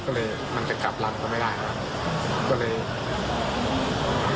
ก็เลยมันจะกลับหลังก็ไม่ได้นะครับ